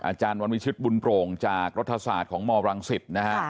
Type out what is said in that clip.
อาจารย์วันวิชิตบุญโปร่งจากรัฐศาสตร์ของมรังสิตนะฮะ